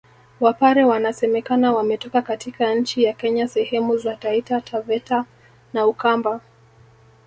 Wapare wanasemekana wametoka katika nchi ya Kenya sehemu za Taita Taveta na Ukamba